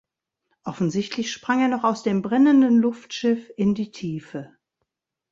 Offensichtlich sprang er noch aus dem brennenden Luftschiff in die Tiefe.